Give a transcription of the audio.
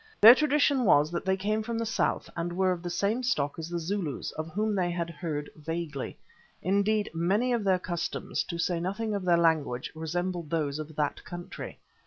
Their tradition was that they came from the south and were of the same stock as the Zulus, of whom they had heard vaguely. Indeed, many of their customs, to say nothing of their language, resembled those of that country.